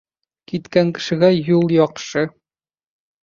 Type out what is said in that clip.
Киткән кешегә юл яҡшы.